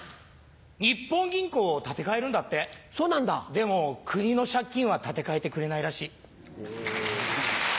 でも国の借金は立て替えてくれないらしい。